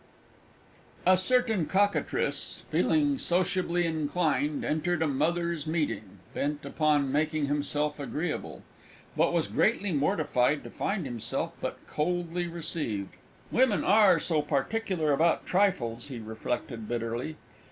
A certain Cockatrice, feeling sociably inclined, entered a Mother's Meeting, bent upon making himself agreeable but was greatly mortified to find himself but coldly received. "Women are so particular about trifles!" he reflected bitterly.